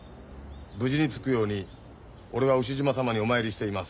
無事に着くように俺が牛嶋さまにお参りしています。